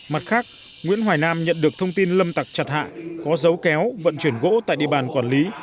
mặt khác nguyễn hoài nam nhận được thông tin lâm tặc chặt hạ có dấu kéo vận chuyển gỗ tại địa bàn quản lý